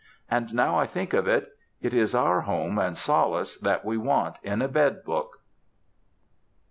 And now I think of it, it is our home and solace that we want in a bed book.